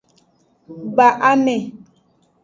Ba ame.